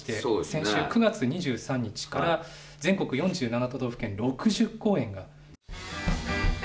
先週９月２３日から全国４７都道府県６０公演が。